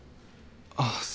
あ。